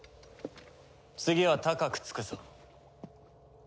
次は高くつくぞ。